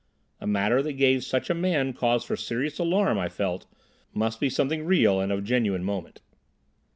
A matter that gave such a man cause for serious alarm, I felt, must be something real and of genuine moment.